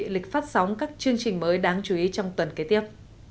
lịch phát sóng các chương trình mới đáng chú ý trong tuần kế tiếp